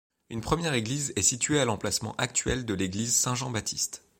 Une première église est située à l'emplacement de l'actuelle église Saint-Jean-Baptiste.